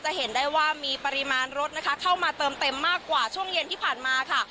เห็นได้ว่ามีปริมาณรถนะคะเข้ามาเติมเต็มมากกว่าช่วงเย็นที่ผ่านมาค่ะ